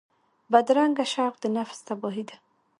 بدرنګه شوق د نفس تباهي ده